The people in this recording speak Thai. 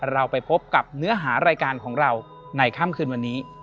เราไปพบกับเนื้อหารายการของเราในค่ำคืนวันนี้